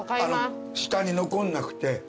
下に残んなくて。